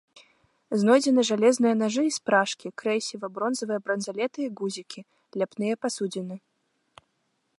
Знойдзены жалезныя нажы і спражкі, крэсіва, бронзавыя бранзалеты і гузікі, ляпныя пасудзіны.